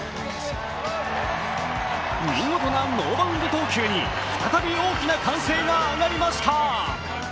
見事なノーバウンド投球に再び大きな歓声が上がりました。